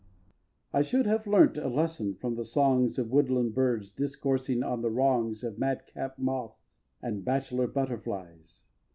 xviii. I should have learnt a lesson from the songs Of woodland birds discoursing on the wrongs Of madcap moths and bachelor butterflies.